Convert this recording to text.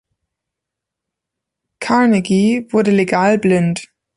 Carnegie wurde legal blind.